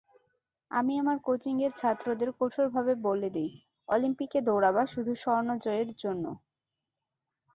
আমি আমার কোচিংয়ের ছাত্রদের কঠোরভাবে বলে দিই, অলিম্পিকে দৌড়াবা শুধু স্বর্ণজয়ের জন্য।